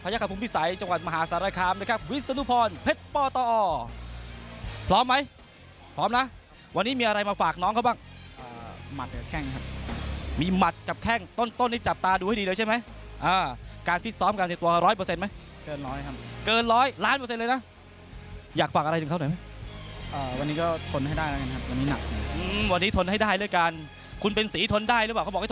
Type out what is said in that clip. ยอดบนธรรมสุดยอดบนธรรมสุดยอดบนธรรมสุดยอดบนธรรมสุดยอดบนธรรมสุดยอดบนธรรมสุดยอดบนธรรมสุดยอดบนธรรมสุดยอดบนธรรมสุดยอดบนธรรมสุดยอดบนธรรมสุดยอดบนธรรมสุดยอดบนธรรมสุดยอดบนธรรมสุดยอดบนธรรมสุดยอดบนธรรมสุดยอดบนธรรมสุด